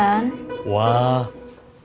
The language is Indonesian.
yang pasti di fakultas kedokteran